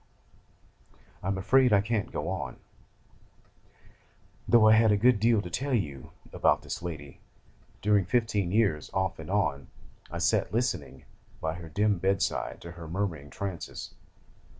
'I am afraid I can't go on: though I had a good deal to tell you about this lady. During fifteen years, off and on, I sat listening by her dim bed side to her murmuring trances!